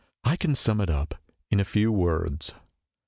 " I can sum it up in a few words.